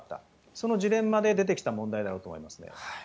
そのジレンマで出てきた問題だと思いますね。